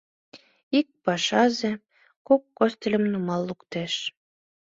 Ик пашазе кок костыльым нумал луктеш.